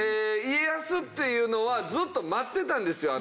家康っていうのはずっと待ってたんですよ